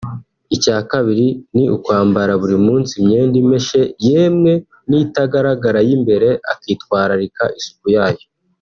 Icya kabiri ni ukwambara buri munsi imyenda imeshe yemwe n’itagaragara y’imbere akitwararika isuku yayo